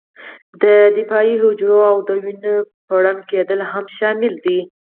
د دفاعي حجرو او د وینې پړن کېدل هم شامل دي.